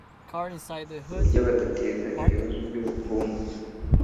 ku buryo budateza ibibazo by'ubukungu.